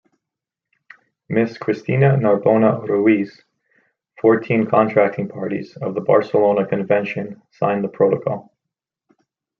Ms. Cristina Narbona Ruiz, fourteen Contracting Parties of the Barcelona Convention signed the Protocol.